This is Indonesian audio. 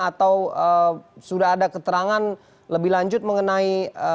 atau sudah ada keterangan lebih lanjut mengenai